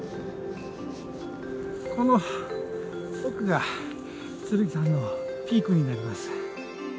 この奥が剣山のピークになります。